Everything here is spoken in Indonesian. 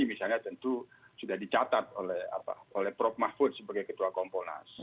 misalnya tentu sudah dicatat oleh prof mahfud sebagai ketua komponas